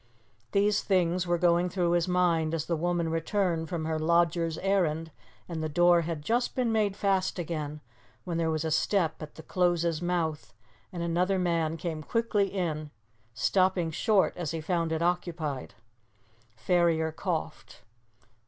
These things were going through his mind as the woman returned from her lodger's errand, and the door had just been made fast again when there was a step at the close's mouth and another man came quickly in, stopping short as he found it occupied. Ferrier coughed.